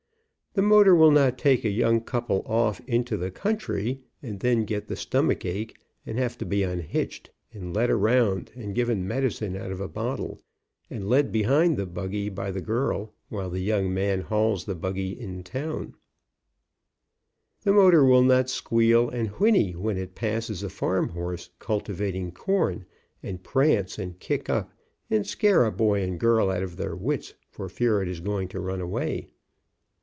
The motor will not take a young couple off into the country and then get the stomachache and have to be unhitched and led around, and given rr,edicine out of a bottle, and led behind the buggy by the girl, while the young man hauls the buggy to THE HORSELESS CARRIAGE 117 town. The motor will not squeal and whinny when it passes a farm horse cultivating corn, and prance and kick up, and scare a boy and a girl out of their wits for fear it is going to run away.